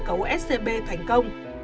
cơ cấu scb thành công